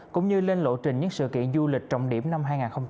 cũng như lên lộ trình những sự kiện du lịch trọng điểm năm hai nghìn hai mươi bốn